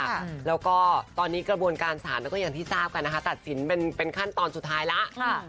เพราะว่าตอนนี้กระบวนการศาลก็ยังที่ทราบกันนะคะตัดสินเป็นขั้นตอนสุดท้ายแล้ว